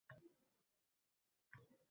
Tasvirda hovlini ichi olinadi.